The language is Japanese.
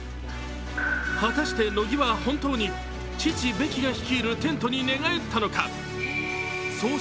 果たして乃木は本当に父・ベキが率いるテントに寝返ったのだろうか？